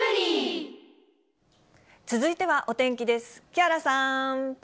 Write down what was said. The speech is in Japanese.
続いてはお天気です。